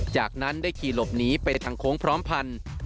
จากนั้นได้ขี่หลบหนีไปทางโค้งพร้อมพันธุ์